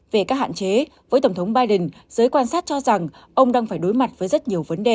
về các hạn chế với tổng thống biden giới quan sát cho rằng ông đang phải đối mặt với rất nhiều vấn đề